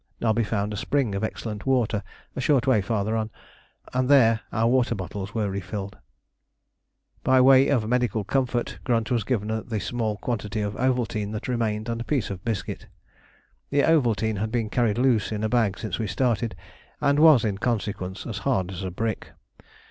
Nobby found a spring of excellent water a short way farther on, and there our water bottles were refilled. By way of medical comfort Grunt was given the small quantity of Ovaltine that remained and a piece of biscuit. The Ovaltine had been carried loose in a bag since we started, and was in consequence as hard as a brick.